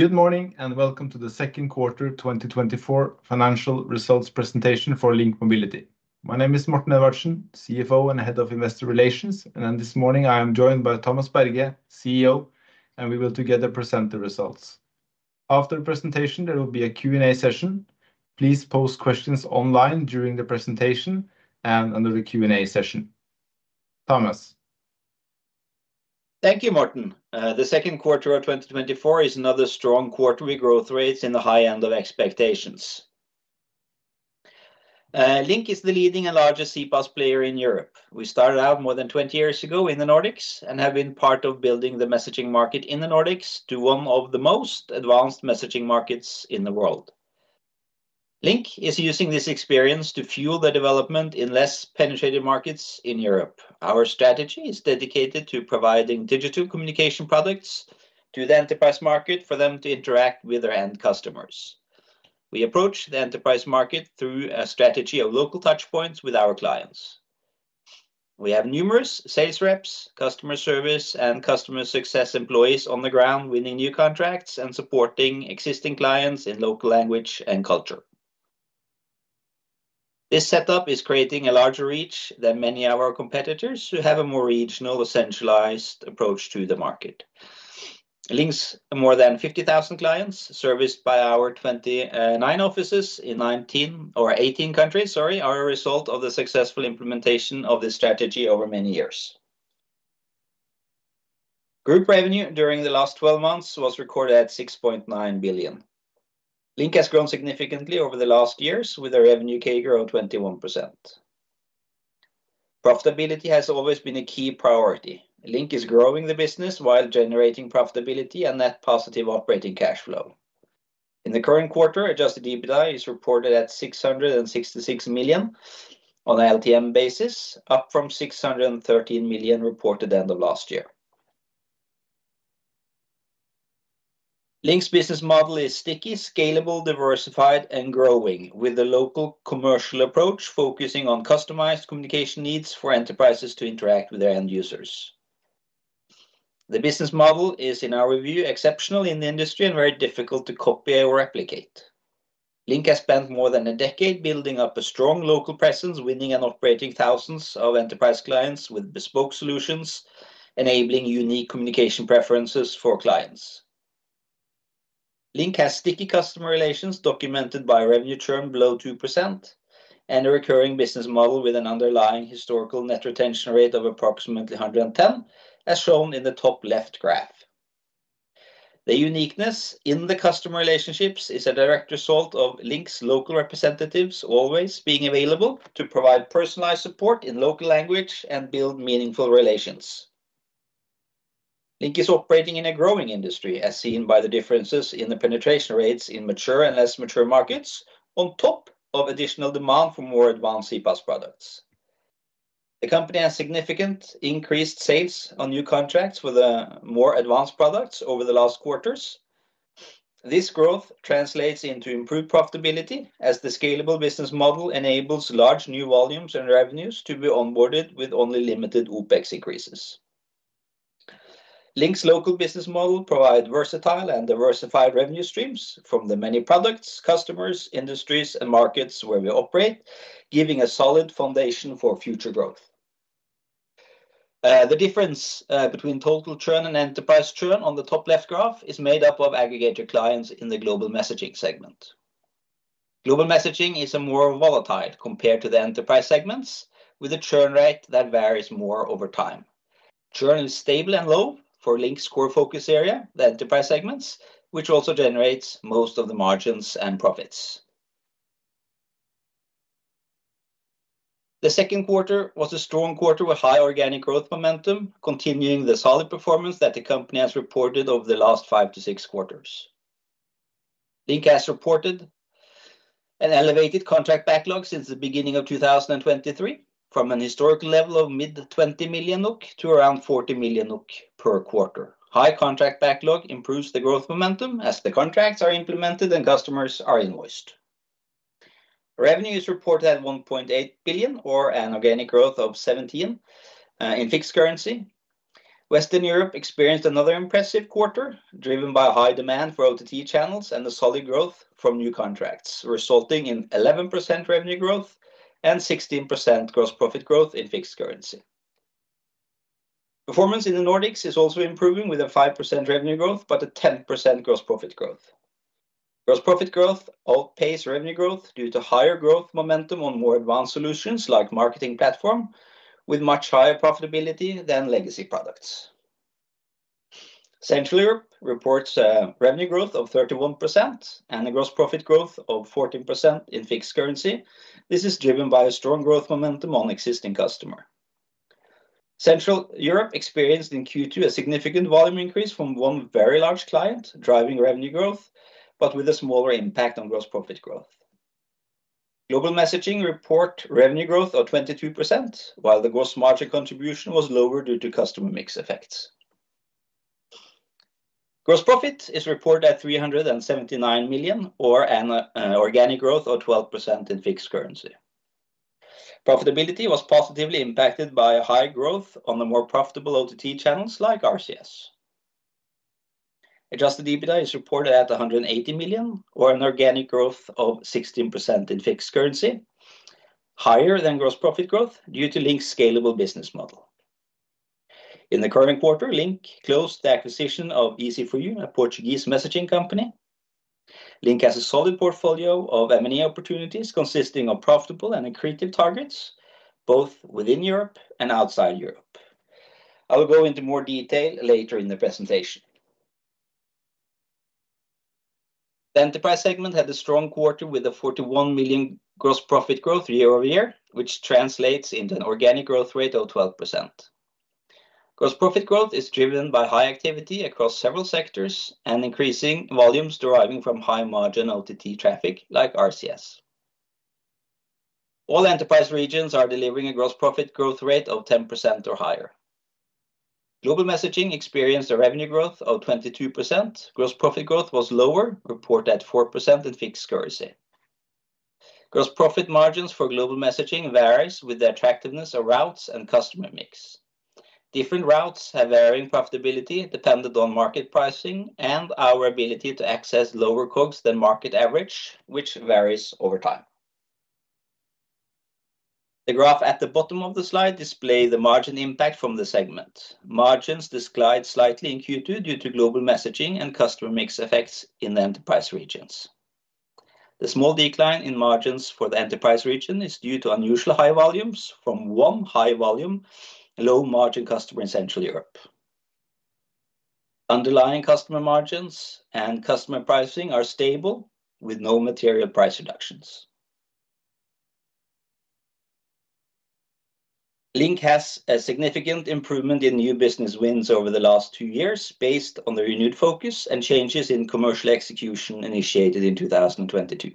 Good morning, and welcome to the second quarter 2024 financial results presentation for LINK Mobility. My name is Morten Edvardsen, CFO and Head of Investor Relations, and then this morning I am joined by Thomas Berge, CEO, and we will together present the results. After the presentation, there will be a Q&A session. Please post questions online during the presentation and under the Q&A session. Thomas? Thank you, Morten. The second quarter of 2024 is another strong quarter with growth rates in the high end of expectations. LINK is the leading and largest CPaaS player in Europe. We started out more than 20 years ago in the Nordics and have been part of building the messaging market in the Nordics to one of the most advanced messaging markets in the world. LINK is using this experience to fuel the development in less penetrated markets in Europe. Our strategy is dedicated to providing digital communication products to the enterprise market for them to interact with their end customers. We approach the enterprise market through a strategy of local touch points with our clients. We have numerous sales reps, customer service, and customer success employees on the ground, winning new contracts and supporting existing clients in local language and culture. This setup is creating a larger reach than many of our competitors, who have a more regional, centralized approach to the market. LINK's more than 50,000 clients, serviced by our 29 offices in 18 countries, are a result of the successful implementation of this strategy over many years. Group revenue during the last 12 months was recorded at 6.9 billion. LINK has grown significantly over the last years, with our revenue CAGR of 21%. Profitability has always been a key priority. LINK is growing the business while generating profitability and net positive operating cash flow. In the current quarter, adjusted EBITDA is reported at 666 million on an LTM basis, up from 613 million reported at the end of last year. LINK's business model is sticky, scalable, diversified, and growing, with a local commercial approach, focusing on customized communication needs for enterprises to interact with their end users. The business model is, in our review, exceptional in the industry and very difficult to copy or replicate. LINK has spent more than a decade building up a strong local presence, winning and operating thousands of enterprise clients with bespoke solutions, enabling unique communication preferences for clients. LINK has sticky customer relations, documented by revenue churn below 2%, and a recurring business model with an underlying historical net retention rate of approximately 110, as shown in the top left graph. The uniqueness in the customer relationships is a direct result of LINK's local representatives always being available to provide personalized support in local language and build meaningful relations. LINK is operating in a growing industry, as seen by the differences in the penetration rates in mature and less mature markets, on top of additional demand for more advanced CPaaS products. The company has significant increased sales on new contracts with more advanced products over the last quarters. This growth translates into improved profitability, as the scalable business model enables large new volumes and revenues to be onboarded with only limited OpEx increases. LINK's local business model provide versatile and diversified revenue streams from the many products, customers, industries, and markets where we operate, giving a solid foundation for future growth. The difference between total churn and enterprise churn on the top left graph is made up of aggregated clients in the Global Messaging segment. Global Messaging is a more volatile compared to the enterprise segments, with a churn rate that varies more over time. Churn is stable and low for LINK's core focus area, the enterprise segments, which also generates most of the margins and profits. The second quarter was a strong quarter with high organic growth momentum, continuing the solid performance that the company has reported over the last five to six quarters. LINK has reported an elevated contract backlog since the beginning of 2023, from a historical level of mid-NOK 20 million to around 40 million NOK per quarter. High contract backlog improves the growth momentum as the contracts are implemented and customers are invoiced. Revenue is reported at 1.8 billion, or an organic growth of 17% in fixed currency. Western Europe experienced another impressive quarter, driven by high demand for OTT channels and the solid growth from new contracts, resulting in 11% revenue growth and 16% gross profit growth in fixed currency. Performance in the Nordics is also improving, with a 5% revenue growth, but a 10% gross profit growth. Gross profit growth outpace revenue growth due to higher growth momentum on more advanced solutions like marketing platform, with much higher profitability than legacy products. Central Europe reports a revenue growth of 31% and a gross profit growth of 14% in fixed currency. This is driven by a strong growth momentum on existing customer. Central Europe experienced in Q2 a significant volume increase from one very large client, driving revenue growth, but with a smaller impact on gross profit growth. Global Messaging report revenue growth of 22%, while the gross margin contribution was lower due to customer mix effects. Gross profit is reported at 379 million, or an organic growth of 12% in fixed currency. Profitability was positively impacted by a high growth on the more profitable OTT channels like RCS. adjusted EBITDA is reported at 180 million, or an organic growth of 16% in fixed currency, higher than gross profit growth due to LINK's scalable business model. In the current quarter, LINK closed the acquisition of EZ4U, a Portuguese messaging company. LINK has a solid portfolio of M&A opportunities, consisting of profitable and accretive targets, both within Europe and outside Europe. I will go into more detail later in the presentation. The enterprise segment had a strong quarter with a 41 million gross profit growth year-over-year, which translates into an organic growth rate of 12%. Gross profit growth is driven by high activity across several sectors and increasing volumes deriving from high-margin OTT traffic like RCS. All enterprise regions are delivering a gross profit growth rate of 10% or higher. Global Messaging experienced a revenue growth of 22%. Gross profit growth was lower, reported at 4% in fixed currency. Gross profit margins for Global Messaging varies with the attractiveness of routes and customer mix. Different routes have varying profitability dependent on market pricing and our ability to access lower costs than market average, which varies over time. The graph at the bottom of the slide display the margin impact from the segment. Margins declined slightly in Q2 due to Global Messaging and customer mix effects in the enterprise regions. The small decline in margins for the enterprise region is due to unusually high volumes from one high-volume, low-margin customer in Central Europe. Underlying customer margins and customer pricing are stable, with no material price reductions. LINK has a significant improvement in new business wins over the last two years, based on the renewed focus and changes in commercial execution initiated in 2022.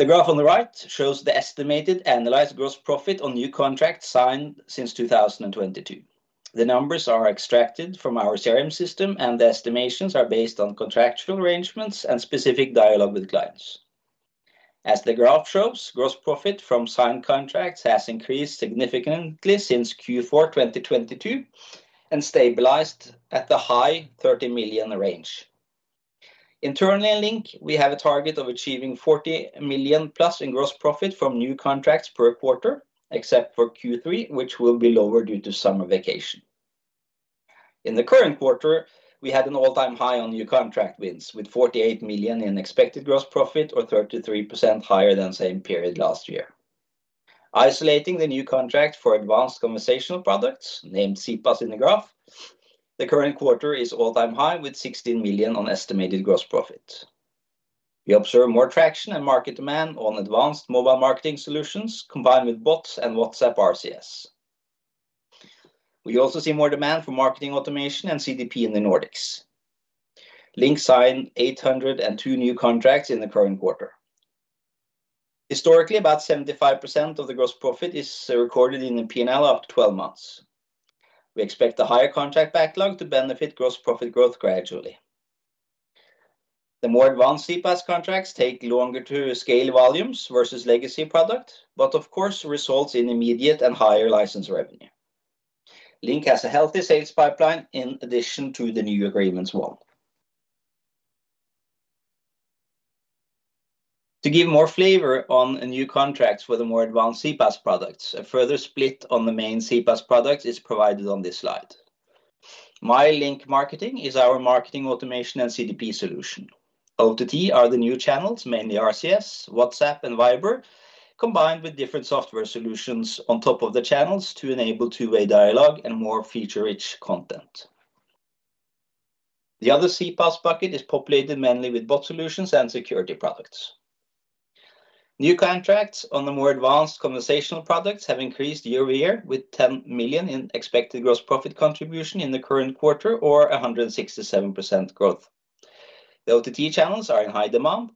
The graph on the right shows the estimated analyzed gross profit on new contracts signed since 2022. The numbers are extracted from our CRM system, and the estimations are based on contractual arrangements and specific dialogue with clients. As the graph shows, gross profit from signed contracts has increased significantly since Q4 2022, and stabilized at the high 30 million range. Internally in LINK, we have a target of achieving 40 million+ in gross profit from new contracts per quarter, except for Q3, which will be lower due to summer vacation. In the current quarter, we had an all-time high on new contract wins, with 48 million in expected gross profit or 33% higher than same period last year. Isolating the new contract for advanced conversational products, named CPaaS in the graph, the current quarter is all-time high, with 16 million on estimated gross profit. We observe more traction and market demand on advanced mobile marketing solutions combined with bots and WhatsApp RCS. We also see more demand for marketing automation and CDP in the Nordics. LINK signed 802 new contracts in the current quarter. Historically, about 75% of the gross profit is recorded in the P&L up to 12 months. We expect a higher contract backlog to benefit gross profit growth gradually. The more advanced CPaaS contracts take longer to scale volumes versus legacy product, but of course, results in immediate and higher license revenue. LINK has a healthy sales pipeline in addition to the new agreements won. To give more flavor on new contracts for the more advanced CPaaS products, a further split on the main CPaaS products is provided on this slide. MyLINK MarketingPlatform is our marketing automation and CDP solution. OTT are the new channels, mainly RCS, WhatsApp and Viber, combined with different software solutions on top of the channels to enable two-way dialogue and more feature-rich content. The other CPaaS bucket is populated mainly with bot solutions and security products. New contracts on the more advanced conversational products have increased year-over-year, with 10 million in expected gross profit contribution in the current quarter or a 167% growth. The OTT channels are in high demand.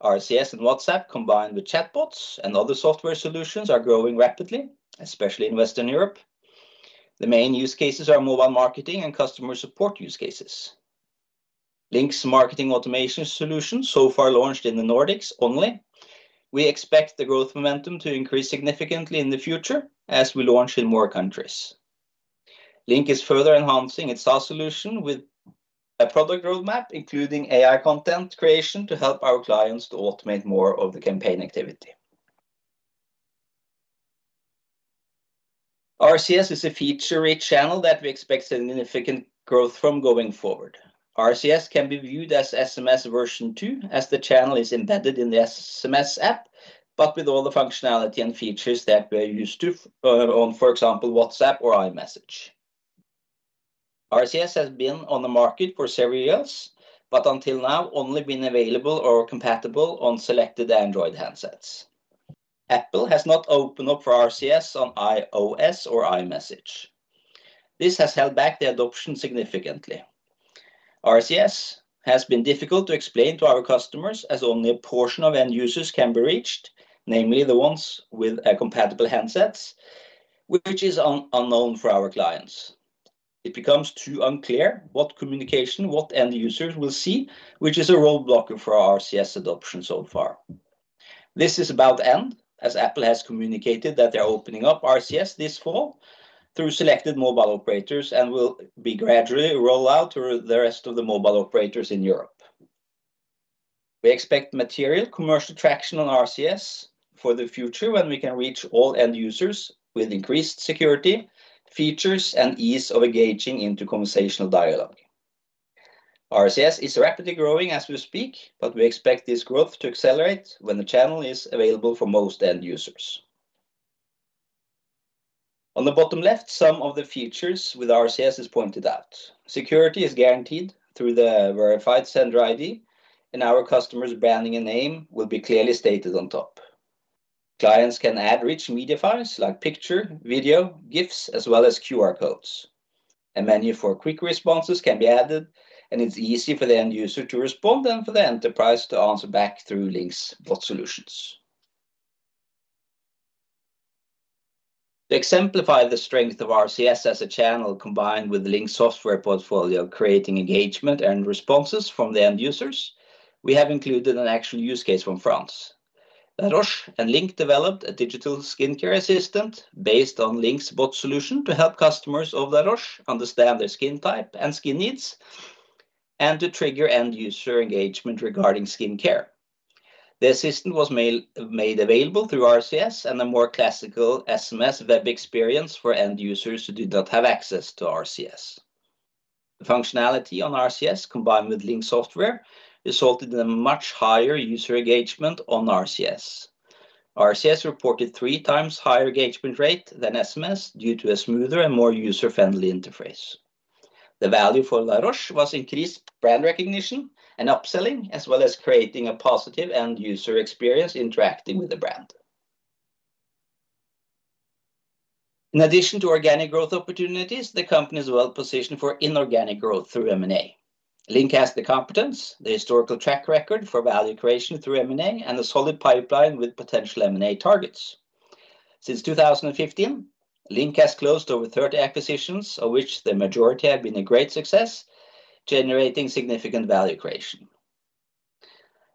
RCS and WhatsApp, combined with chatbots and other software solutions, are growing rapidly, especially in Western Europe. The main use cases are mobile marketing and customer support use cases. LINK's marketing automation solution, so far, launched in the Nordics only. We expect the growth momentum to increase significantly in the future as we launch in more countries. LINK is further enhancing its SaaS solution with a product roadmap, including AI content creation, to help our clients to automate more of the campaign activity. RCS is a feature-rich channel that we expect significant growth from going forward. RCS can be viewed as SMS version two, as the channel is embedded in the SMS app, but with all the functionality and features that we're used to on, for example, WhatsApp or iMessage. RCS has been on the market for several years, but until now, only been available or compatible on selected Android handsets. Apple has not opened up for RCS on iOS or iMessage. This has held back the adoption significantly. RCS has been difficult to explain to our customers, as only a portion of end users can be reached, namely, the ones with a compatible handsets, which is unknown for our clients. It becomes too unclear what communication, what end users will see, which is a roadblock for our RCS adoption so far. This is about to end, as Apple has communicated that they are opening up RCS this fall through selected mobile operators, and will be gradually roll out to the rest of the mobile operators in Europe. We expect material commercial traction on RCS for the future, when we can reach all end users with increased security, features, and ease of engaging into conversational dialogue. RCS is rapidly growing as we speak, but we expect this growth to accelerate when the channel is available for most end users. On the bottom left, some of the features with RCS is pointed out. Security is guaranteed through the verified sender ID, and our customer's branding and name will be clearly stated on top. Clients can add rich media files, like picture, video, GIFs, as well as QR codes. A menu for quick responses can be added, and it's easy for the end user to respond and for the enterprise to answer back through LINK's bot solutions. To exemplify the strength of RCS as a channel combined with LINK's software portfolio, creating engagement and responses from the end users, we have included an actual use case from France. La Roche and LINK developed a digital skincare assistant based on LINK's bot solution to help customers of La Roche understand their skin type and skin needs, and to trigger end-user engagement regarding skincare. The assistant was made available through RCS and a more classical SMS web experience for end users who do not have access to RCS. The functionality on RCS, combined with LINK software, resulted in a much higher user engagement on RCS. RCS reported three times higher engagement rate than SMS, due to a smoother and more user-friendly interface. The value for La Roche was increased brand recognition and upselling, as well as creating a positive end-user experience interacting with the brand. In addition to organic growth opportunities, the company is well positioned for inorganic growth through M&A. LINK has the competence, the historical track record for value creation through M&A, and a solid pipeline with potential M&A targets. Since 2015, LINK has closed over 30 acquisitions, of which the majority have been a great success, generating significant value creation.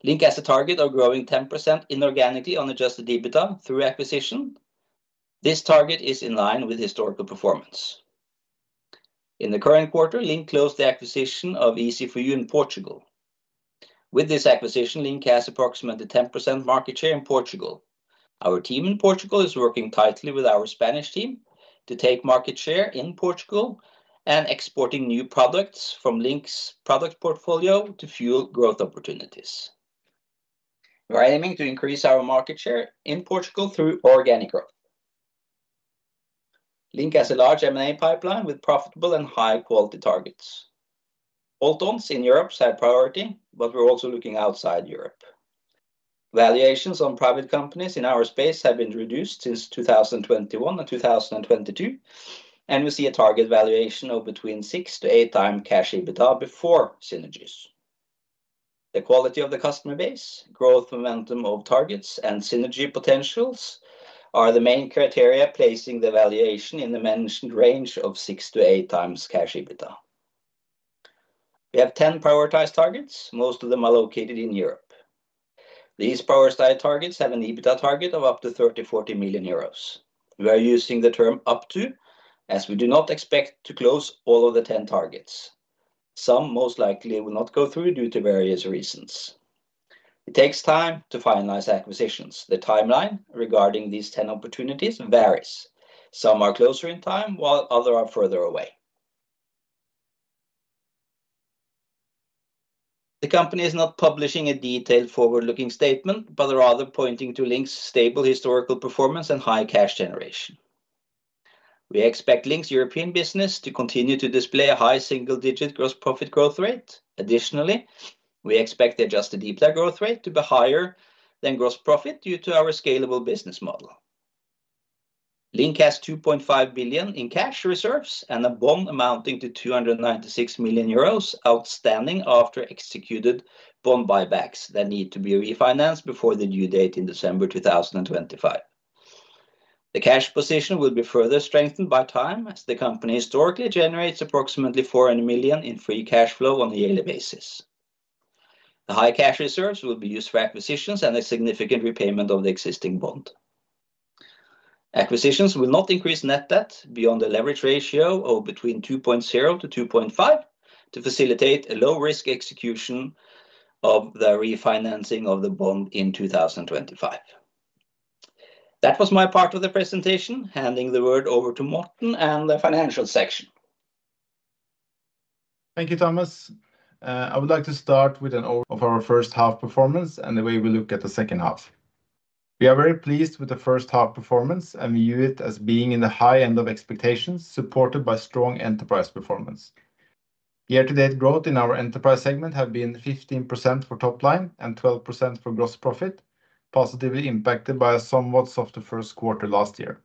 LINK has a target of growing 10% inorganically on adjusted EBITDA through acquisition. This target is in line with historical performance. In the current quarter, LINK closed the acquisition of EZ4U in Portugal. With this acquisition, LINK has approximately 10% market share in Portugal. Our team in Portugal is working tightly with our Spanish team to take market share in Portugal and exporting new products from LINK's product portfolio to fuel growth opportunities. We are aiming to increase our market share in Portugal through organic growth. LINK has a large M&A pipeline with profitable and high-quality targets. Add-ons in Europe have priority, but we're also looking outside Europe. Valuations on private companies in our space have been reduced since 2021 and 2022, and we see a target valuation of between 6x-8x cash EBITDA before synergies. The quality of the customer base, growth momentum of targets, and synergy potentials are the main criteria, placing the valuation in the mentioned range of 6x-8x cash EBITDA. We have 10 prioritized targets. Most of them are located in Europe. These prioritized targets have an EBITDA target of up to 30 million-40 million euros. We are using the term "up to," as we do not expect to close all of the 10 targets. Some most likely will not go through due to various reasons. It takes time to finalize acquisitions. The timeline regarding these 10 opportunities varies. Some are closer in time, while other are further away. The company is not publishing a detailed forward-looking statement, but rather pointing to LINK's stable historical performance and high cash generation. We expect LINK's European business to continue to display a high single-digit gross profit growth rate. Additionally, we expect the adjusted EBITDA growth rate to be higher than gross profit due to our scalable business model. LINK has 2.5 billion in cash reserves and a bond amounting to 296 million euros, outstanding after executed bond buybacks that need to be refinanced before the due date in December 2025. The cash position will be further strengthened by time, as the company historically generates approximately 400 million in free cash flow on a yearly basis. The high cash reserves will be used for acquisitions and a significant repayment of the existing bond. Acquisitions will not increase net debt beyond the leverage ratio of between 2.0x-2.5x, to facilitate a low-risk execution of the refinancing of the bond in 2025. That was my part of the presentation. Handing the word over to Morten and the financial section. Thank you, Thomas. I would like to start with an overview of our first-half performance and the way we look at the second half. We are very pleased with the first-half performance, and we view it as being in the high end of expectations, supported by strong enterprise performance. Year-to-date growth in our enterprise segment have been 15% for top line and 12% for gross profit, positively impacted by a somewhat softer first quarter last year.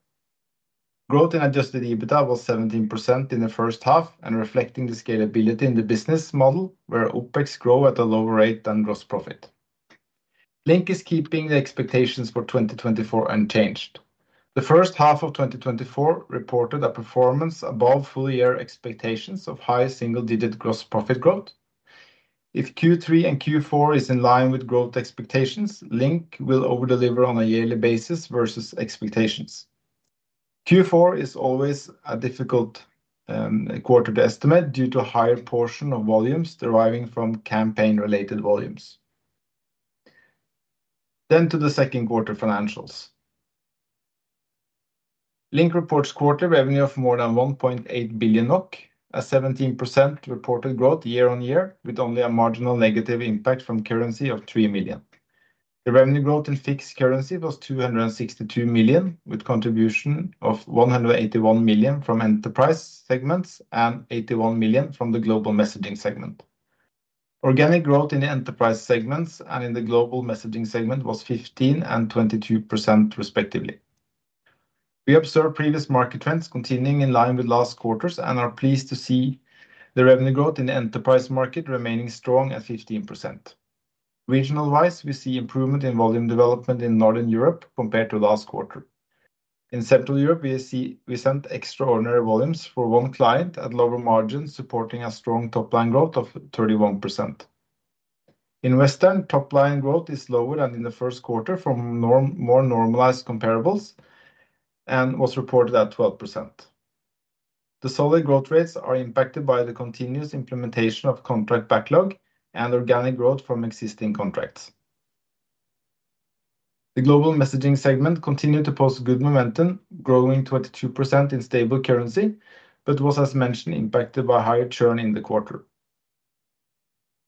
Growth in adjusted EBITDA was 17% in the first half, and reflecting the scalability in the business model, where OpEx grow at a lower rate than gross profit. LINK is keeping the expectations for 2024 unchanged. The first half of 2024 reported a performance above full year expectations of high single-digit gross profit growth. If Q3 and Q4 is in line with growth expectations, LINK will over-deliver on a yearly basis versus expectations. Q4 is always a difficult quarter to estimate due to a higher portion of volumes deriving from campaign-related volumes. Then to the second quarter financials. LINK reports quarterly revenue of more than 1.8 billion NOK, a 17% reported growth year-on-year, with only a marginal negative impact from currency of 3 million. The revenue growth in fixed currency was 262 million, with contribution of 181 million from enterprise segments and 81 million from the Global Messaging segment. Organic growth in the enterprise segments and in the Global Messaging segment was 15% and 22%, respectively. We observed previous market trends continuing in line with last quarters and are pleased to see the revenue growth in the enterprise market remaining strong at 15%. Regional wise, we see improvement in volume development in Northern Europe compared to last quarter. In Central Europe, we see we sent extraordinary volumes for one client at lower margins, supporting a strong top-line growth of 31%. In Western Europe, top-line growth is lower than in the first quarter from more normalized comparables and was reported at 12%. The solid growth rates are impacted by the continuous implementation of contract backlog and organic growth from existing contracts. The Global Messaging segment continued to post good momentum, growing 22% in stable currency, but was, as mentioned, impacted by higher churn in the quarter.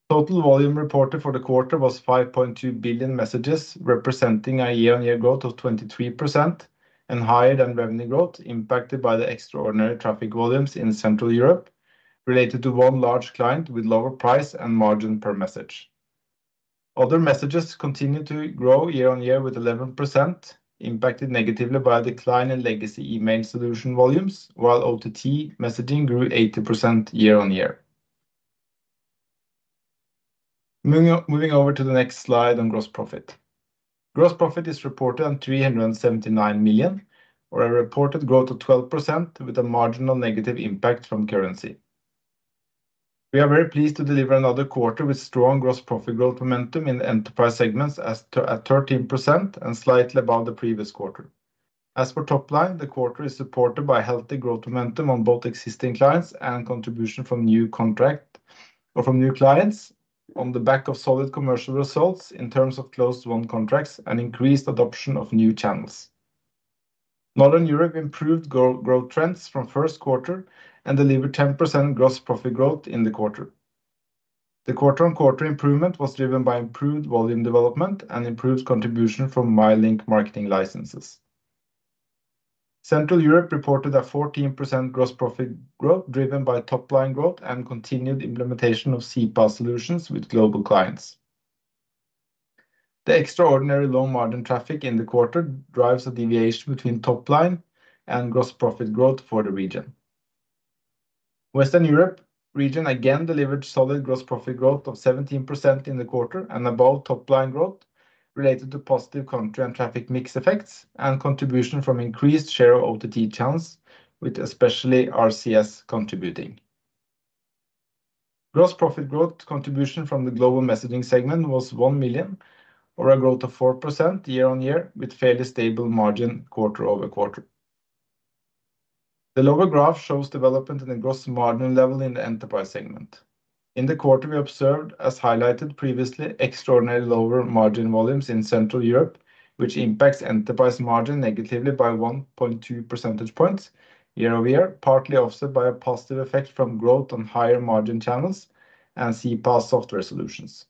Total volume reported for the quarter was 5.2 billion messages, representing a year-over-year growth of 23% and higher than revenue growth, impacted by the extraordinary traffic volumes in Central Europe related to one large client with lower price and margin per message. Other messages continued to grow year-over-year with 11%, impacted negatively by a decline in legacy email solution volumes, while OTT messaging grew 80% year-over-year. Moving over to the next slide on gross profit. Gross profit is reported at 379 million, or a reported growth of 12%, with a marginal negative impact from currency. We are very pleased to deliver another quarter with strong gross profit growth momentum in the enterprise segments at 13% and slightly above the previous quarter. As for top line, the quarter is supported by healthy growth momentum on both existing clients and contribution from new contract or from new clients on the back of solid commercial results in terms of closed won contracts and increased adoption of new channels. Northern Europe improved growth trends from first quarter and delivered 10% gross profit growth in the quarter. The quarter-on-quarter improvement was driven by improved volume development and improved contribution from MyLINK marketing licenses. Central Europe reported a 14% gross profit growth, driven by top-line growth and continued implementation of CPaaS solutions with global clients. The extraordinary low margin traffic in the quarter drives a deviation between top line and gross profit growth for the region. Western Europe region again delivered solid gross profit growth of 17% in the quarter and above top-line growth related to positive country and traffic mix effects and contribution from increased share of OTT channels, with especially RCS contributing. Gross profit growth contribution from the Global Messaging segment was 1 million, or a growth of 4% year-on-year, with fairly stable margin quarter-over-quarter. The lower graph shows development in the gross margin level in the enterprise segment. In the quarter, we observed, as highlighted previously, extraordinary lower margin volumes in Central Europe, which impacts enterprise margin negatively by 1.2 percentage points year-on-year, partly offset by a positive effect from growth on higher margin channels and CPaaS software solutions.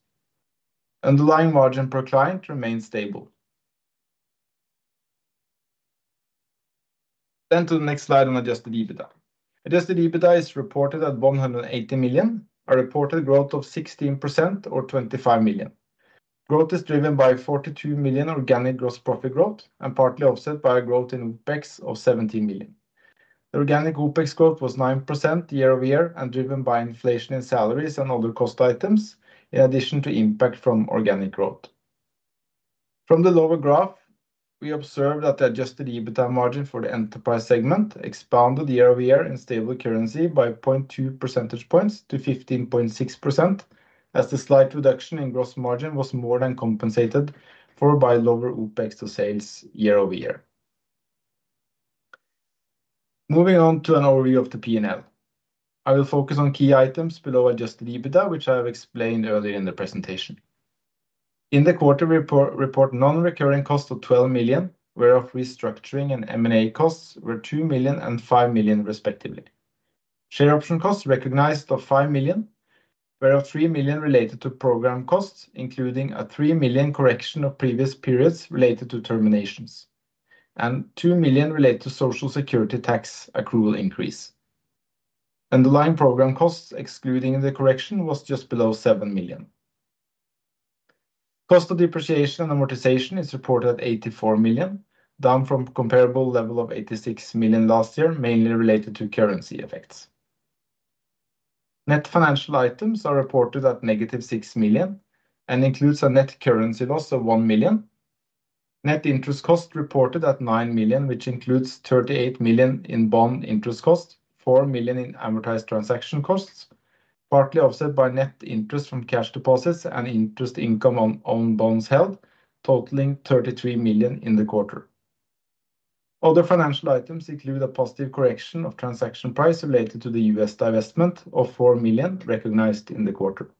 Underlying margin per client remains stable. Then to the next slide on adjusted EBITDA. Adjusted EBITDA is reported at 180 million, a reported growth of 16% or 25 million. Growth is driven by 42 million organic gross profit growth and partly offset by a growth in OpEx of 17 million. The organic OpEx growth was 9% year-over-year and driven by inflation in salaries and other cost items, in addition to impact from organic growth. From the lower graph, we observed that the adjusted EBITDA margin for the enterprise segment expanded year-over-year in stable currency by 0.2 percentage points to 15.6%, as the slight reduction in gross margin was more than compensated for by lower OpEx to sales year-over-year. Moving on to an overview of the P&L. I will focus on key items below adjusted EBITDA, which I have explained earlier in the presentation. In the quarter, we report non-recurring costs of 12 million, whereof restructuring and M&A costs were 2 million and 5 million respectively. Share option costs recognized of 5 million, whereof 3 million related to program costs, including a 3 million correction of previous periods related to terminations and 2 million related to Social Security tax accrual increase. Underlying program costs, excluding the correction, was just below 7 million. Cost of depreciation and amortization is reported at 84 million, down from comparable level of 86 million last year, mainly related to currency effects. Net financial items are reported at negative 6 million and includes a net currency loss of 1 million. Net interest cost reported at 9 million, which includes 38 million in bond interest costs, 4 million in amortized transaction costs, partly offset by net interest from cash deposits and interest income on bonds held, totaling 33 million in the quarter. Other financial items include a positive correction of transaction price related to the U.S. divestment of 4 million recognized in the quarter.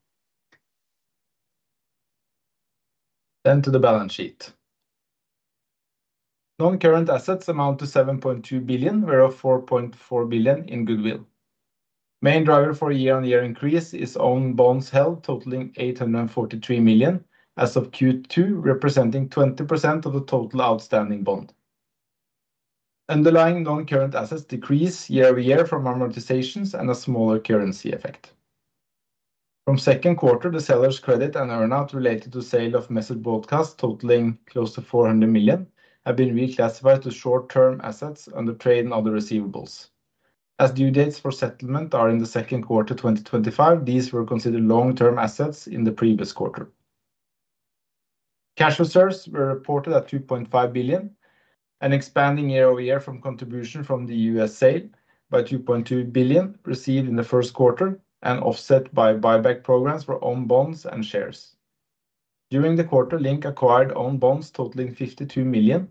Then to the balance sheet. Non-current assets amount to 7.2 billion, whereof 4.4 billion in goodwill. Main driver for year-over-year increase is own bonds held, totaling 843 million as of Q2, representing 20% of the total outstanding bond. Underlying non-current assets decrease year-over-year from amortizations and a smaller currency effect. From second quarter, the seller's credit and earn-out related to sale of Message Broadcast, totaling close to 400 million, have been reclassified to short-term assets under trade and other receivables. As due dates for settlement are in the second quarter 2025, these were considered long-term assets in the previous quarter. Cash reserves were reported at 2.5 billion, and expanding year-over-year from contribution from the U.S. sale by 2.2 billion received in the first quarter and offset by buyback programs for own bonds and shares. During the quarter, LINK acquired own bonds totaling 52 million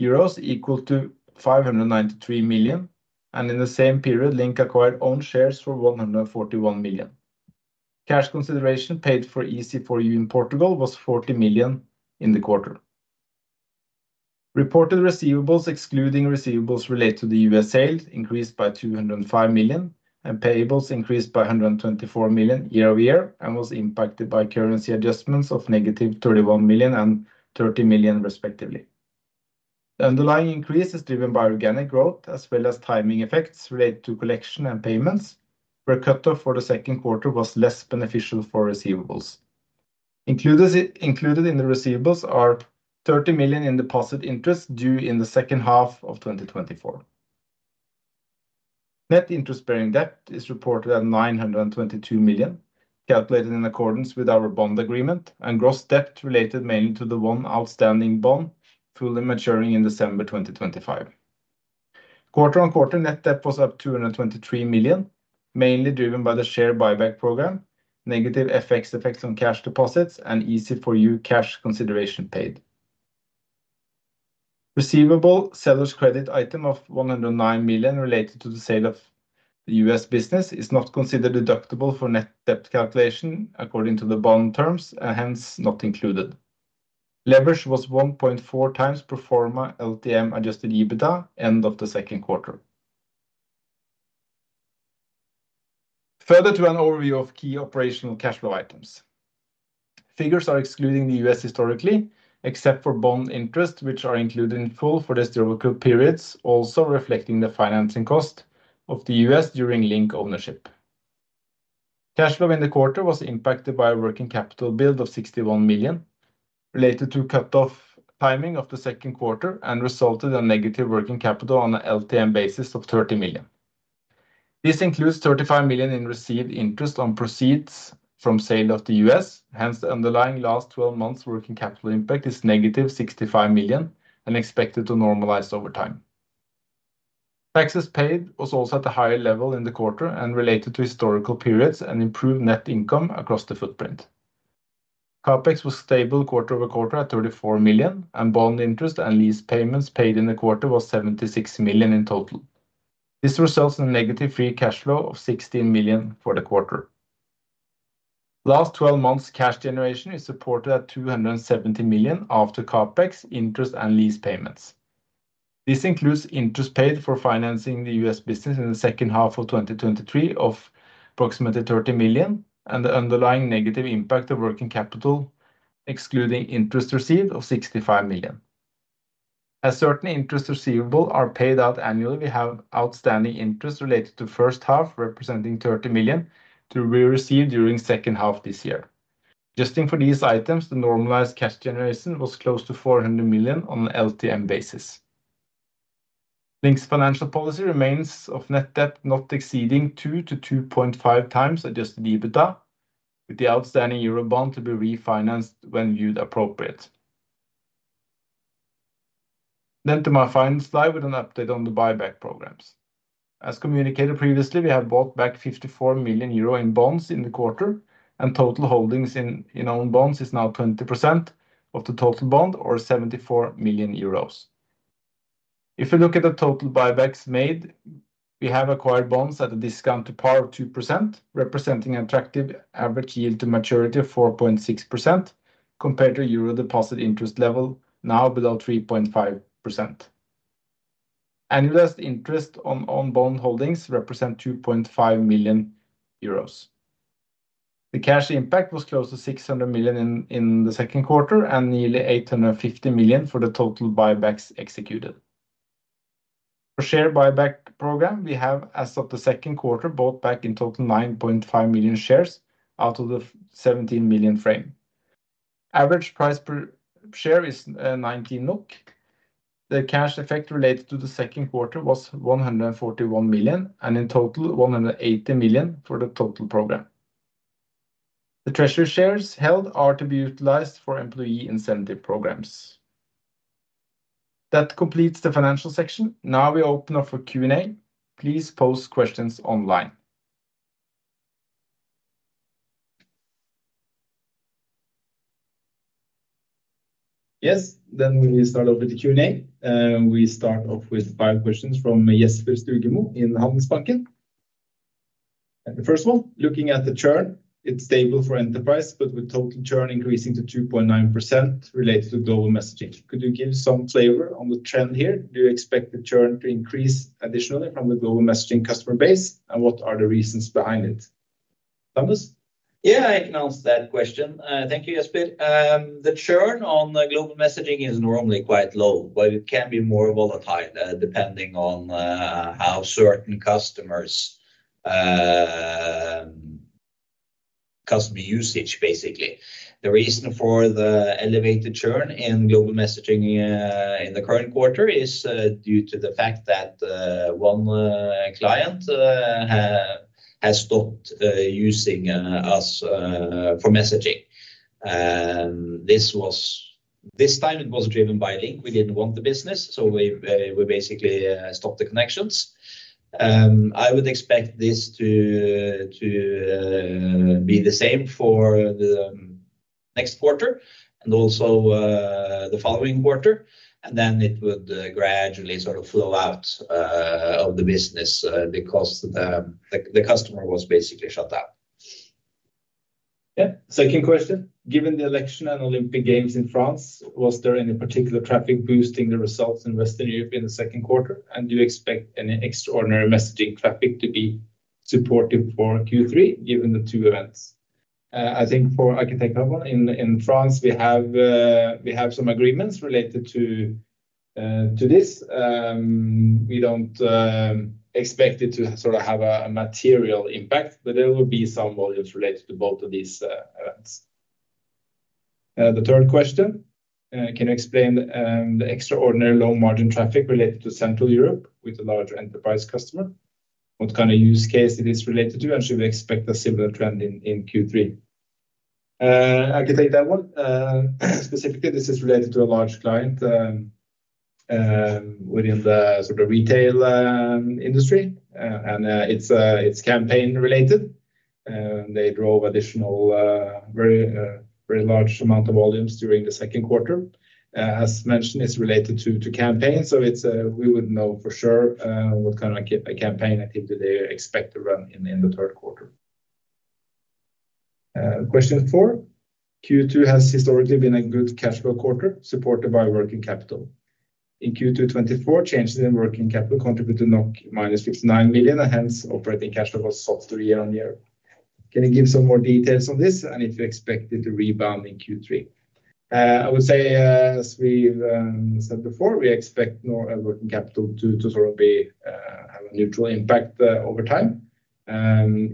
euros, equal to 593 million, and in the same period, LINK acquired own shares for 141 million. Cash consideration paid for EZ4U in Portugal was 40 million in the quarter. Reported receivables, excluding receivables related to the U.S. sales, increased by 205 million, and payables increased by 124 million year-over-year and was impacted by currency adjustments of -31 million and 30 million respectively. The underlying increase is driven by organic growth as well as timing effects related to collection and payments, where cut off for the second quarter was less beneficial for receivables. Included in the receivables are 30 million in deposit interest due in the second half of 2024. Net interest-bearing debt is reported at 922 million, calculated in accordance with our bond agreement, and gross debt related mainly to the one outstanding bond fully maturing in December 2025. Quarter on quarter, net debt was up 223 million, mainly driven by the share buyback program, negative FX effects on cash deposits, and EZ4U cash consideration paid. Receivable seller's credit item of 109 million related to the sale of the U.S. business is not considered deductible for net debt calculation according to the bond terms, and hence, not included. Leverage was 1.4x pro forma LTM adjusted EBITDA end of the second quarter. Further to an overview of key operational cash flow items. Figures are excluding the U.S. historically, except for bond interest, which are included in full for the historical periods, also reflecting the financing cost of the U.S. during LINK ownership. Cash flow in the quarter was impacted by a working capital build of 61 million, related to cut-off timing of the second quarter and resulted in negative working capital on an LTM basis of 30 million. This includes 35 million in received interest on proceeds from sale of the U.S., hence, the underlying last twelve months working capital impact is negative 65 million and expected to normalize over time. Taxes paid was also at a higher level in the quarter and related to historical periods and improved net income across the footprint. CapEx was stable quarter-over-quarter at 34 million, and bond interest and lease payments paid in the quarter was 76 million in total. This results in a negative free cash flow of 16 million for the quarter. Last twelve months, cash generation is supported at 270 million after CapEx, interest, and lease payments. This includes interest paid for financing the U.S. business in the second half of 2023 of approximately 30 million, and the underlying negative impact of working capital, excluding interest received, of 65 million. As certain interest receivable are paid out annually, we have outstanding interest related to first half, representing 30 million, to be received during second half this year. Adjusting for these items, the normalized cash generation was close to 400 million on an LTM basis. LINK's financial policy remains of net debt not exceeding 2x-2.5x adjusted EBITDA, with the outstanding euro bond to be refinanced when viewed appropriate. Then to my final slide with an update on the buyback programs. As communicated previously, we have bought back 54 million euro in bonds in the quarter, and total holdings in own bonds is now 20% of the total bond or 74 million euros. If you look at the total buybacks made, we have acquired bonds at a discount to par of 2%, representing an attractive average yield to maturity of 4.6% compared to euro deposit interest level, now below 3.5%. Annualized interest on bond holdings represent 2.5 million euros. The cash impact was close to 600 million in the second quarter and nearly 850 million for the total buybacks executed. For share buyback program, we have, as of the second quarter, bought back in total 9.5 million shares out of the 17 million frame. Average price per share is 19 NOK. The cash effect related to the second quarter was 141 million, and in total, 180 million for the total program. The Treasury shares held are to be utilized for employee incentive programs. That completes the financial section. Now, we open up for Q&A. Please post questions online. Yes, then we start off with the Q&A. We start off with five questions from Jesper Stugemo in Handelsbanken. And the first one: Looking at the churn, it's stable for enterprise, but with total churn increasing to 2.9% related to Global Messaging. Could you give some flavor on the trend here? Do you expect the churn to increase additionally from the Global Messaging customer base, and what are the reasons behind it? Thomas? Yeah, I can answer that question. Thank you, Jesper. The churn on the Global Messaging is normally quite low, but it can be more volatile, depending on how certain customers, customer usage, basically. The reason for the elevated churn in Global Messaging in the current quarter is due to the fact that one client has stopped using us for messaging. This time it was driven by LINK. We didn't want the business, so we basically stopped the connections. I would expect this to be the same for the next quarter and also the following quarter, and then it would gradually sort of flow out of the business because the customer was basically shut down. Yeah. Second question: Given the election and Olympic Games in France, was there any particular traffic boosting the results in Western Europe in the second quarter? And do you expect any extraordinary messaging traffic to be supportive for Q3, given the two events? I think I can take that one. In France, we have some agreements related to this. We don't expect it to sorta have a material impact, but there will be some volumes related to both of these events. The third question: Can you explain the extraordinary low margin traffic related to Central Europe with a large enterprise customer? What kind of use case it is related to, and should we expect a similar trend in Q3? I can take that one. Specifically, this is related to a large client within the sort of retail industry. And it's campaign related, and they drove additional very very large amount of volumes during the second quarter. As mentioned, it's related to campaign, so we wouldn't know for sure what kind of a campaign activity they expect to run in the third quarter. Question four: Q2 has historically been a good cash flow quarter, supported by working capital. In Q2 2024, changes in working capital contributed -59 million, and hence, operating cash flow was soft year-on-year. Can you give some more details on this, and if you expect it to rebound in Q3? I would say, as we said before, we expect more working capital to sort of have a neutral impact over time.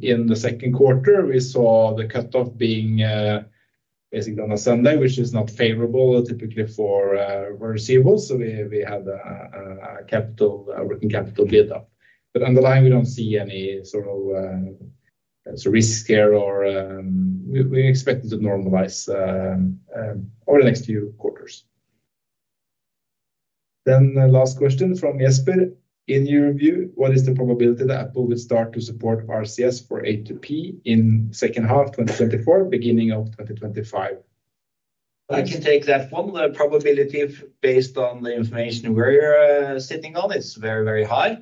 In the second quarter, we saw the cutoff being basically on a Sunday, which is not favorable typically for receivables. So we had a working capital build-up. But underlying, we don't see any sort of risk here, or we expect it to normalize over the next few quarters. Then the last question from Jesper: In your view, what is the probability that Apple will start to support RCS for A2P in second half 2024, beginning of 2025? I can take that one. The probability based on the information we're sitting on is very, very high.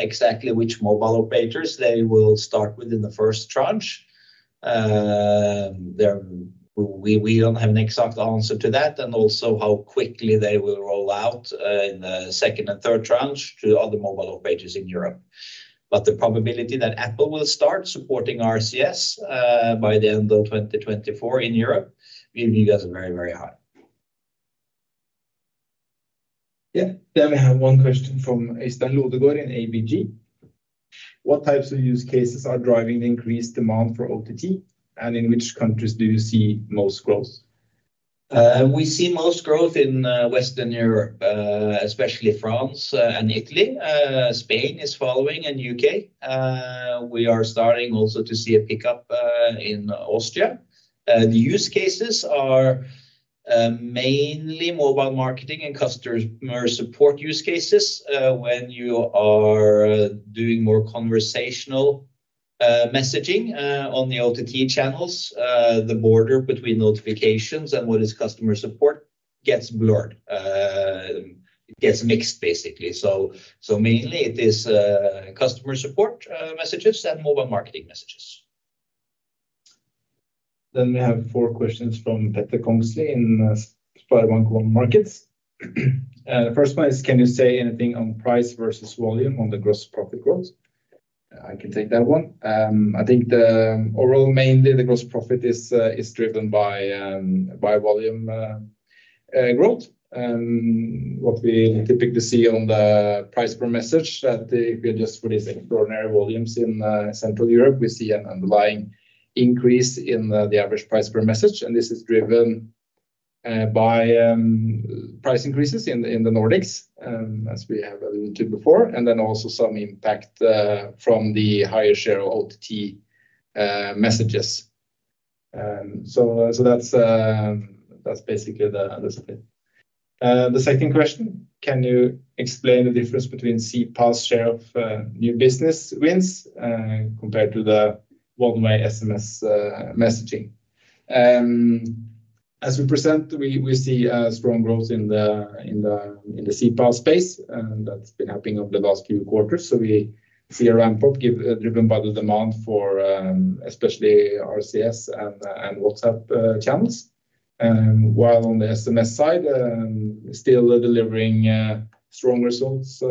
Exactly which mobile operators they will start with in the first tranche, we don't have an exact answer to that, and also how quickly they will roll out in the second and third tranche to other mobile operators in Europe. But the probability that Apple will start supporting RCS by the end of 2024 in Europe, we think that's very, very high. Yeah. Then we have one question from Øystein Elton Lodgaard in ABG: What types of use cases are driving the increased demand for OTT, and in which countries do you see most growth? We see most growth in Western Europe, especially France and Italy. Spain is following, and U.K. We are starting also to see a pickup in Austria. The use cases are mainly mobile marketing and customer support use cases. When you are doing more conversational messaging on the OTT channels, the border between notifications and what is customer support gets blurred, gets mixed, basically. So mainly it is customer support messages and mobile marketing messages. Then we have four questions from Petter Kongslie in SpareBank 1 Markets. The first one is: Can you say anything on price versus volume on the gross profit growth? I can take that one. I think the overall, mainly the gross profit is driven by volume. growth. And what we typically see on the price per message, that they just release extraordinary volumes in Central Europe. We see an underlying increase in the average price per message, and this is driven by price increases in the Nordics, as we have alluded to before, and then also some impact from the higher share of OTT messages. So that's basically that's it. The second question, can you explain the difference between CPaaS share of new business wins compared to the one-way SMS messaging? As we present, we see a strong growth in the CPaaS space, and that's been happening over the last few quarters. So we see a ramp-up driven by the demand for especially RCS and WhatsApp channels. While on the SMS side, still delivering strong results,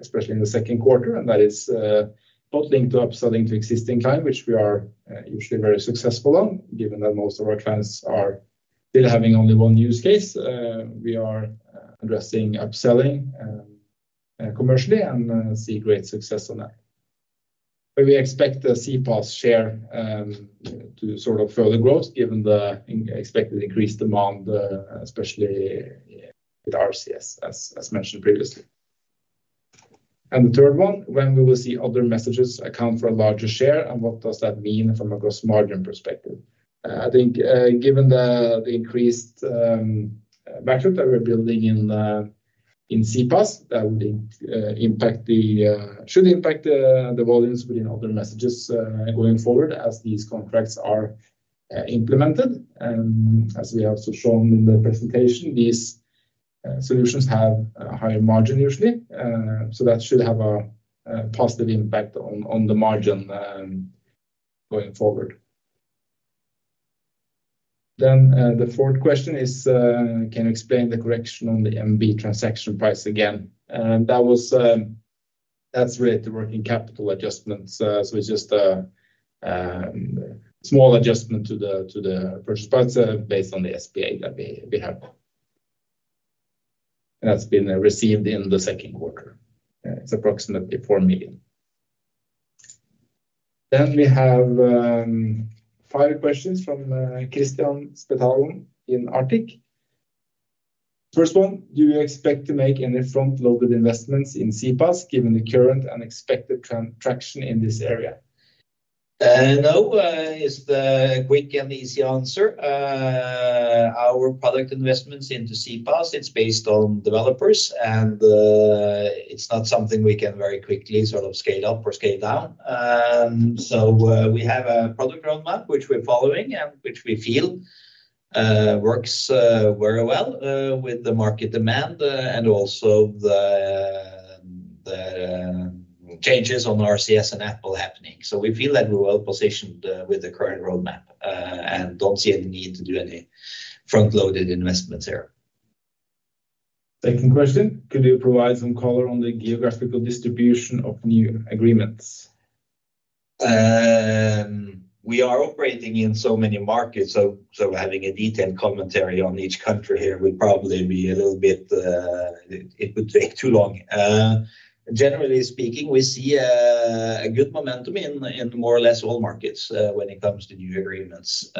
especially in the second quarter, and that is not LINKed to upselling to existing client, which we are usually very successful on, given that most of our clients are still having only one use case. We are addressing upselling commercially, and see great success on that. But we expect the CPaaS share to sort of further growth given the expected increased demand, especially with RCS, as mentioned previously. And the third one, when we will see other messages account for a larger share, and what does that mean from a gross margin perspective? I think, given the increased backup that we're building in CPaaS, that would impact the-should impact the volumes within other messages going forward, as these contracts are implemented. And as we have also shown in the presentation, these solutions have a higher margin usually. So that should have a positive impact on the margin going forward. Then, the fourth question is, can you explain the correction on the MB transaction price again? And that was-that's related to working capital adjustments. So it's just a small adjustment to the purchase price based on the SPA that we have. And that's been received in the second quarter. It's approximately 4 million. Then we have five questions from Kristian Spetalen in Arctic. First one, do you expect to make any front-loaded investments in CPaaS, given the current and expected contraction in this area? No is the quick and easy answer. Our product investments into CPaaS, it's based on developers, and it's not something we can very quickly sort of scale up or scale down. So, we have a product roadmap, which we're following and which we feel works very well with the market demand, and also the changes on RCS and Apple happening. So we feel that we're well positioned with the current roadmap, and don't see any need to do any front-loaded investments there. Second question: Could you provide some color on the geographical distribution of new agreements? We are operating in so many markets, so having a detailed commentary on each country here would probably be a little bit too long. It would take too long. Generally speaking, we see a good momentum in more or less all markets, when it comes to new agreements.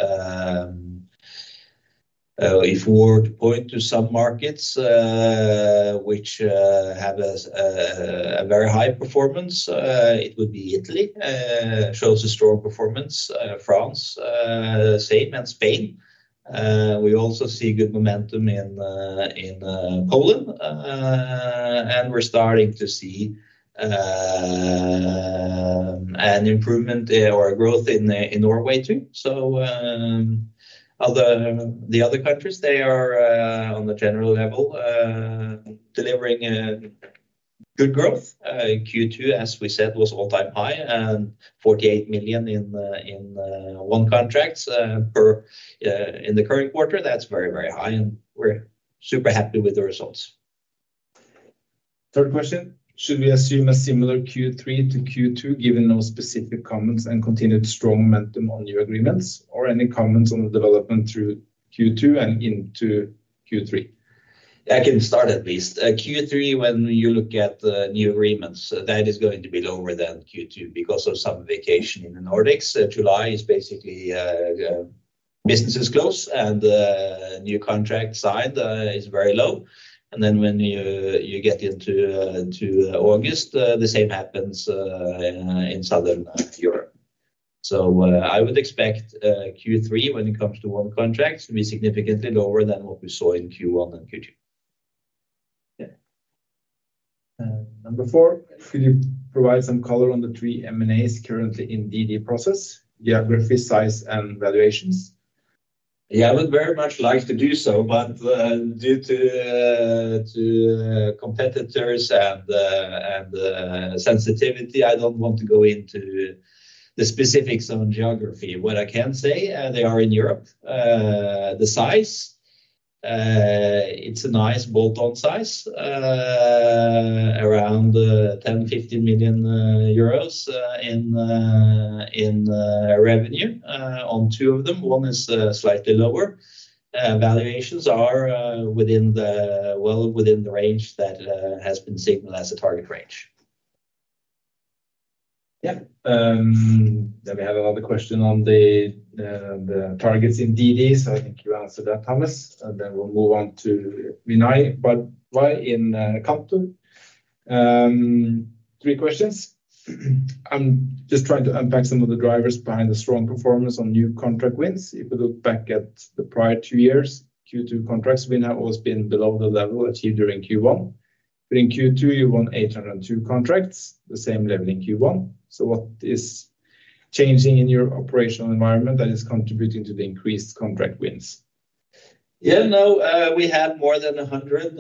If we were to point to some markets which have a very high performance, it would be Italy shows a strong performance. France, same, and Spain. We also see good momentum in Poland. And we're starting to see an improvement or a growth in Norway, too. So, the other countries, they are on the general level delivering a good growth. Q2, as we said, was all-time high, and 48 million in one contracts in the current quarter. That's very, very high, and we're super happy with the results. Third question, should we assume a similar Q3 to Q2, given those specific comments and continued strong momentum on new agreements, or any comments on the development through Q2 and into Q3? I can start at least. Q3, when you look at the new agreements, that is going to be lower than Q2 because of some vacation in the Nordics. July is basically, businesses close, and new contract side is very low. And then when you, you get into to August, the same happens in Southern Europe. So, I would expect Q3, when it comes to new contracts, to be significantly lower than what we saw in Q1 and Q2. Yeah. Number four, could you provide some color on the three M&As currently in DD process, geography, size, and valuations? Yeah, I would very much like to do so, but, due to competitors and sensitivity, I don't want to go into the specifics on geography. What I can say, they are in Europe. The size, it's a nice bolt-on size around 10 million-15 million euros in revenue on two of them. One is slightly lower. Valuations are within the, well, within the range that has been signaled as a target range. Yeah. Then we have another question on the targets in DD. So I think you answered that, Thomas, and then we'll move on to Vinay Pradhan in Cantor. Three questions. I'm just trying to unpack some of the drivers behind the strong performance on new contract wins. If you look back at the prior two years, Q2 contract wins have always been below the level achieved during Q1. But in Q2, you won 802 contracts, the same level in Q1. So what is changing in your operational environment that is contributing to the increased contract wins? Yeah, no, we have more than 100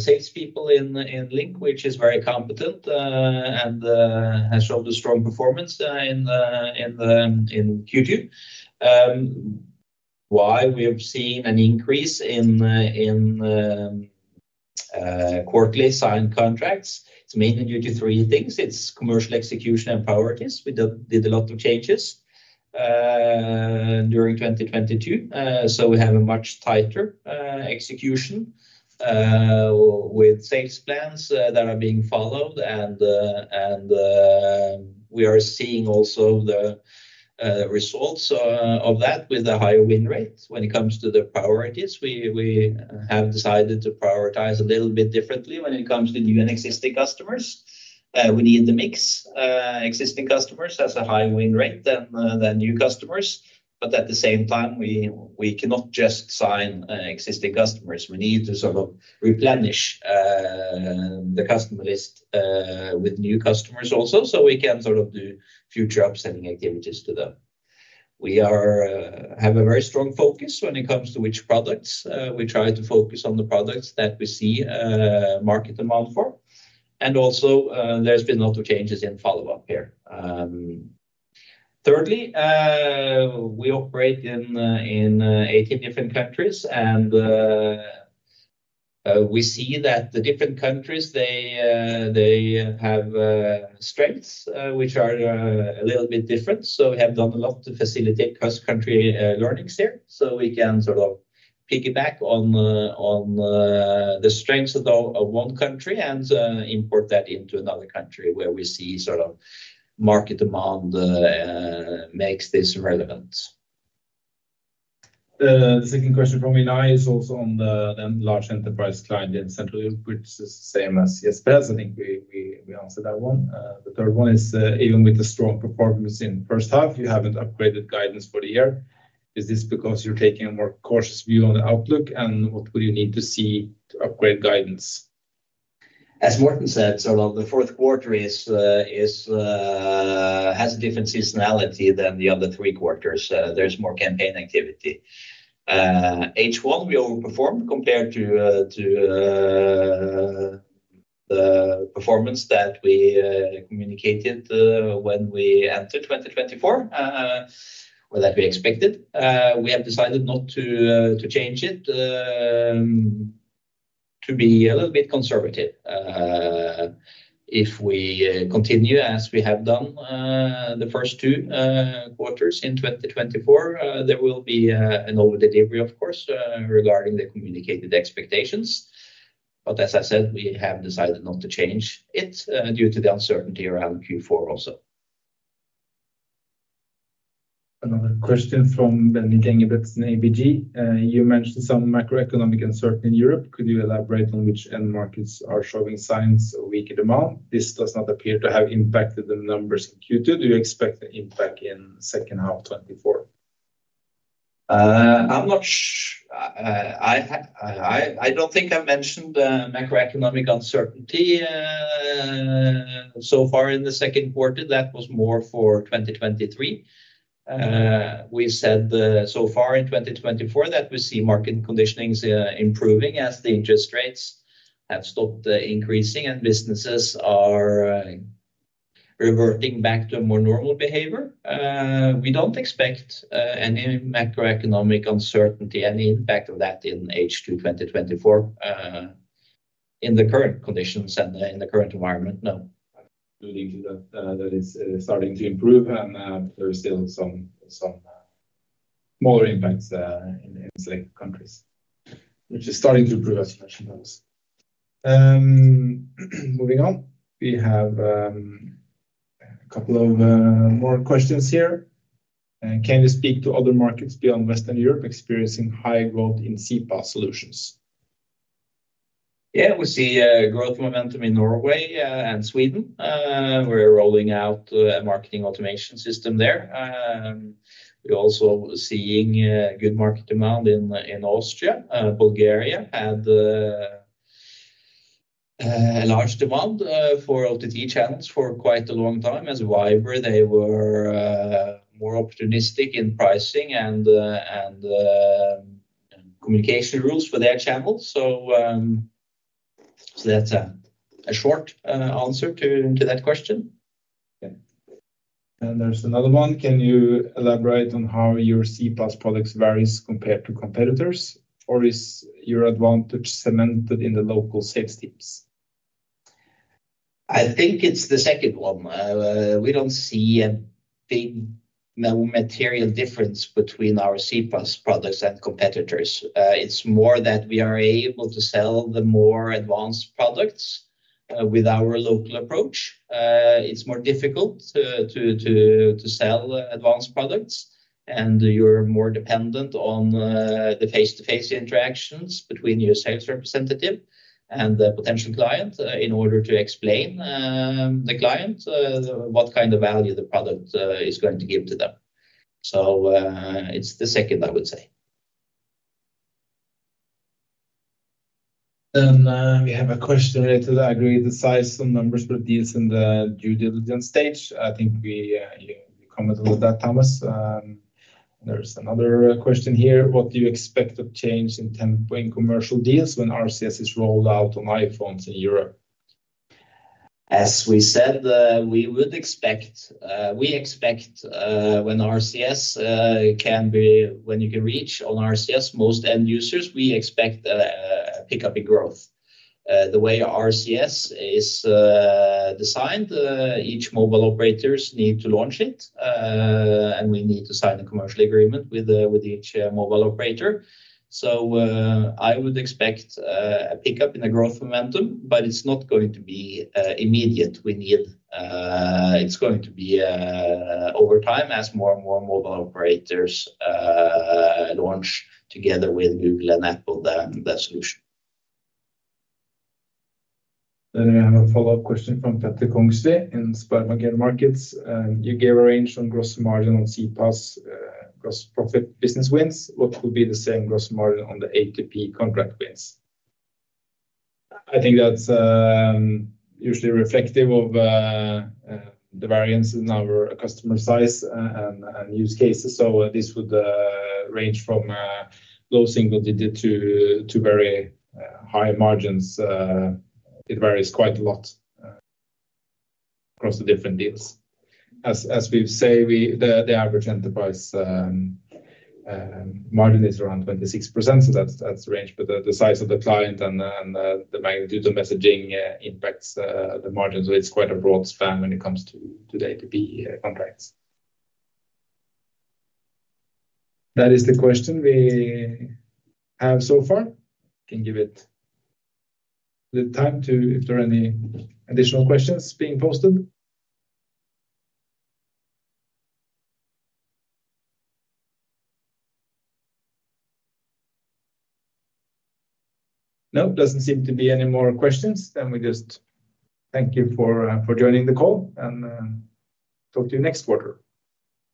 salespeople in LINK, which is very competent, and has showed a strong performance in Q2. Why we have seen an increase in quarterly signed contracts, it's mainly due to 3 things: It's commercial execution and priorities. We did a lot of changes during 2022, so we have a much tighter execution with sales plans that are being followed. And we are seeing also the results of that with the higher win rates. When it comes to the priorities, we have decided to prioritize a little bit differently when it comes to new and existing customers. We need to mix existing customers as a high win rate than new customers, but at the same time, we cannot just sign existing customers. We need to sort of replenish the customer list with new customers also, so we can sort of do future upselling activities to them. We are have a very strong focus when it comes to which products. We try to focus on the products that we see market demand for. And also, there's been a lot of changes in follow-up here. Thirdly, we operate in 18 different countries, and we see that the different countries, they have strengths which are a little bit different. So we have done a lot to facilitate cross-country learnings there. So we can sort of piggyback on the strengths of one country and import that into another country where we see sort of market demand makes this relevant. The second question from Vinay is also on the then large enterprise client in Central Europe, which is the same as Jesper's. I think we answered that one. The third one is, even with the strong performance in the first half, you haven't upgraded guidance for the year. Is this because you're taking a more cautious view on the outlook? And what would you need to see to upgrade guidance? As Morten said, so the fourth quarter is, has a different seasonality than the other three quarters. There's more campaign activity. H1, we overperformed compared to, the performance that we communicated, when we entered 2024, or that we expected. We have decided not to change it, to be a little bit conservative. If we continue as we have done, the first two quarters in 2024, there will be an over delivery, of course, regarding the communicated expectations. But as I said, we have decided not to change it, due to the uncertainty around Q4 also. Another question from Benny Gengebetz in ABG. You mentioned some macroeconomic uncertainty in Europe. Could you elaborate on which end markets are showing signs of weaker demand? This does not appear to have impacted the numbers in Q2. Do you expect an impact in second half 2024? I'm not sure—I don't think I mentioned macroeconomic uncertainty so far in the second quarter. That was more for 2023. We said so far in 2024, that we see market conditions improving as the interest rates have stopped increasing and businesses are reverting back to a more normal behavior. We don't expect any macroeconomic uncertainty, any impact of that in H2 2024, in the current conditions and in the current environment, no. Agreed to that, that is starting to improve, and, there are still some, some, more impacts, in, in select countries, which is starting to improve, as you mentioned those. Moving on, we have, a couple of, more questions here. Can you speak to other markets beyond Western Europe experiencing high growth in CPaaS solutions? Yeah, we see growth momentum in Norway and Sweden. We're rolling out a marketing automation system there. We're also seeing good market demand in Austria, Bulgaria, and large demand for OTT channels for quite a long time. As Viber, they were more opportunistic in pricing and communication rules for their channels. So that's a short answer to that question. Yeah. And there's another one: Can you elaborate on how your CPaaS products varies compared to competitors, or is your advantage cemented in the local sales teams? I think it's the second one. We don't see a big material difference between our CPaaS products and competitors. It's more that we are able to sell the more advanced products with our local approach. It's more difficult to sell advanced products, and you're more dependent on the face-to-face interactions between your sales representative and the potential client in order to explain the client what kind of value the product is going to give to them. So, it's the second, I would say. Then, we have a question related to the agreement, the size and numbers of deals in the due diligence stage. I think we, you commented on that, Thomas. There's another question here: What do you expect the change in tempo in commercial deals when RCS is rolled out on iPhones in Europe? As we said, we would expect. We expect, when RCS can be when you can reach on RCS most end users, we expect a pick-up in growth. The way RCS is designed, each mobile operators need to launch it, and we need to sign a commercial agreement with each mobile operator. So, I would expect a pick-up in the growth momentum, but it's not going to be immediate. It's going to be over time as more and more mobile operators launch together with Google and Apple, that solution. Then I have a follow-up question from Petter Kongslie in SpareBank 1 Markets. You gave a range on gross margin on CPaaS, gross profit business wins. What would be the same gross margin on the A2P contract wins? I think that's usually reflective of the variance in our customer size and use cases. So this would range from low single digit to very high margins. It varies quite a lot across the different deals. As we've said, the average enterprise margin is around 26%, so that's the range. But the size of the client and the magnitude of messaging impacts the margin, so it's quite a broad span when it comes to the A2P contracts. That is the question we have so far. Can give it the time to if there are any additional questions being posted. No, doesn't seem to be any more questions, then we just thank you for joining the call, and talk to you next quarter.